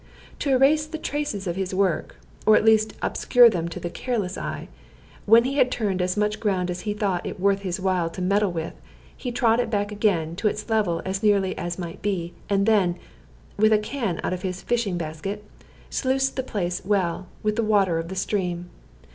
To erase the traces of his work, or at least obscure them to a careless eye, when he had turned as much ground as he thought it worth his while to meddle with, he trod it back again to its level as nearly as might be, and then (with a can out of his fishing basket) sluiced the place well with the water of the stream.